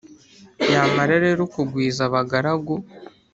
yamara rero kugwiza abagaragu,